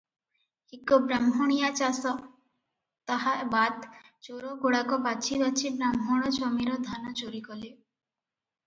ଏକ ବ୍ରାହ୍ମଣିଆ ଚାଷ, ତାହା ବାଦ୍ ଚୋରଗୁଡ଼ାକ ବାଛି ବାଛି ବ୍ରାହ୍ମଣ ଜମିର ଧାନ ଚୋରି କଲେ ।